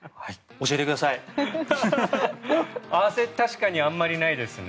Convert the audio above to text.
確かにあまりないですね。